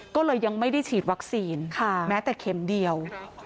ก็เลยยังไม่ได้ฉีดวัคซีนแม้แต่เข็มเดียว